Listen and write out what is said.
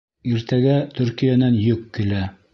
Иртәгә Төркиәнән йөк килә.